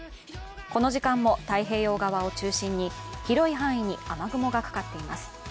この時間も太平洋側を中心に広い範囲に雨雲がかかっています。